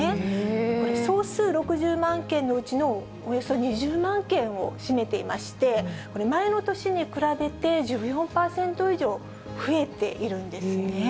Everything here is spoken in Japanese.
これ、総数６０万件のうちのおよそ２０万件を占めていまして、前の年に比べて１４％以上増えているんですね。